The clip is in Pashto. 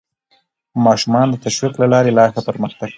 ماشومان د تشویق له لارې لا ښه پرمختګ کوي